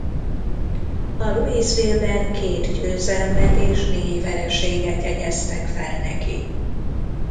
A Louisville-ben két győzelmet és négy vereséget jegyeztek fel neki.